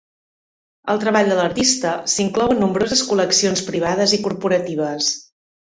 El treball de l'artista s'inclou en nombroses col·leccions privades i corporatives.